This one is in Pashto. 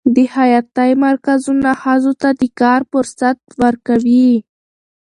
د خیاطۍ مرکزونه ښځو ته د کار فرصت ورکوي.